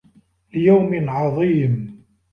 لِيَومٍ عَظيمٍ